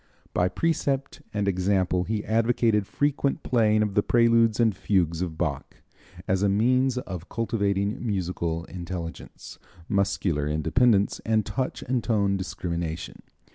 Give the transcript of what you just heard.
By precept and example he advocated frequent playing of the preludes and fugues of Bach as a means of cultivating musical intelligence, muscular independence and touch and tone discrimination.